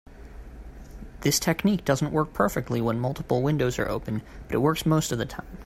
This technique doesn't work perfectly when multiple windows are open, but it works most of the time.